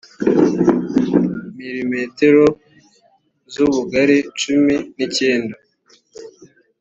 milimetero z ubugari cumi n icyenda